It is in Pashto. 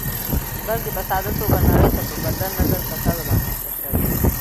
بلکې په ساده توګه نړۍ ته په بدل نظر کتلو رامنځته شوې.